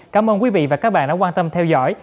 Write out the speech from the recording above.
cảm ơn quý vị và các bạn đã quan tâm theo dõi